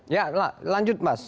ya lanjut mas